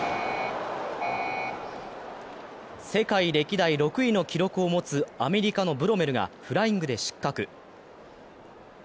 世界歴代６位の記録を持つアメリカのブロメルがフライングで失格。